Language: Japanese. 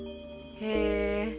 へえ！